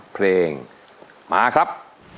เพลงมาครับ